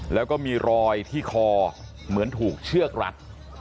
แล้วก็มีรอยที่คอเหมือนถูกเชือกรัด